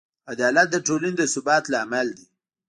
عدالت د ټولنې د ثبات لامل دی.